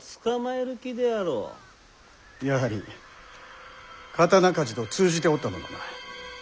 やはり刀鍛冶と通じておったのだな？